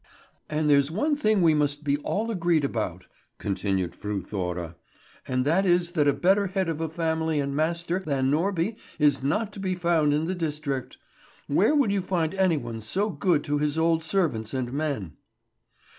"And there's one thing we must be all agreed about," continued Fru Thora, "and that is that a better head of a family and master than Norby is not to be found in the district. Where will you find any one so good to his old servants and men?"